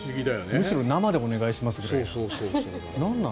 むしろ生でお願いしますぐらいな。